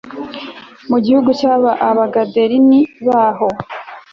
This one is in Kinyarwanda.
mu gihugu cy Abagadareni baho